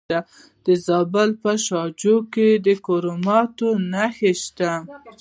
د زابل په شاجوی کې د کرومایټ نښې شته.